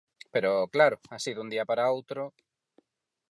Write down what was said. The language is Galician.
'Pero, claro, así dun día para outro...'.